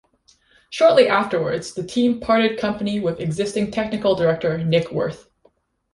Shortly afterwards, the team parted company with existing technical director Nick Wirth.